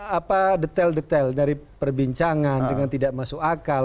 apa detail detail dari perbincangan dengan tidak masuk akal